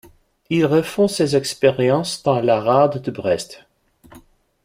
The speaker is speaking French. Ils refont ces expériences dans la rade de Brest.